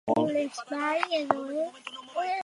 Azken hori da ikastaroen erakunde laguntzaile nagusia.